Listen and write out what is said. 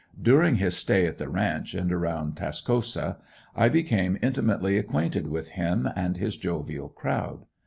During his stay at the ranch and around Tascosa, I became intimately acquainted with him and his jovial crowd.